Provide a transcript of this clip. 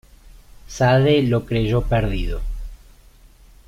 Sade lo creyó perdido.